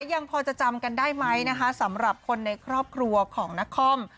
ยังพอจะจำกันได้ไหมนะคะสำหรับคนในครอบครัวของนคร